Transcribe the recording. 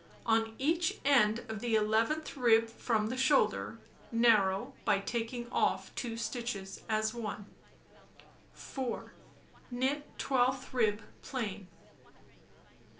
On each end of the eleventh rib from the shoulder, narrow by taking off 2 stitches as 1. 4. Knit twelfth rib plain.